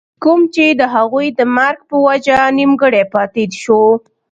کوم چې َد هغوي د مرګ پۀ وجه نيمګري پاتې شو